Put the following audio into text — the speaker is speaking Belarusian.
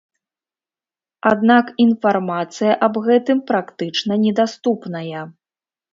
Аднак інфармацыя аб гэтым практычна недаступная.